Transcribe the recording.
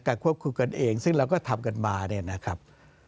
ควบคุมกันเองซึ่งเราก็ทำกันมาเนี่ยนะครับ